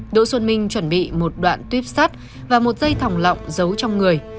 đỗ xuân minh chuẩn bị một đoạn tuyếp sắt và một dây thòng lọng giấu trong người